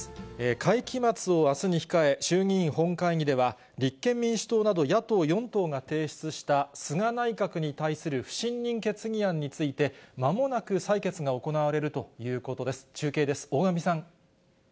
会期末をあすに控え、衆議院本会議では、立憲民主党など野党４党が提出した、菅内閣に対する不信任決議案について、まもなく採決が行われるということです。